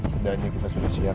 setidaknya kita sudah siap